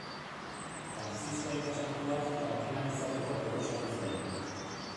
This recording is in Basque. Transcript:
Frantzisko aita santuak kardinal izateko proposatu zuen.